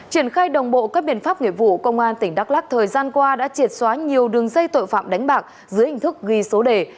triển khai đồng bộ các biện pháp nghiệp vụ công an tỉnh đắk lắc thời gian qua đã triệt xóa nhiều đường dây tội phạm đánh bạc dưới hình thức ghi số đề